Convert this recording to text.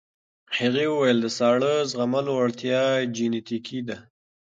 هغې وویل د ساړه زغملو وړتیا جینیټیکي ده.